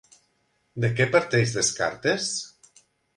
De què parteix Descartes?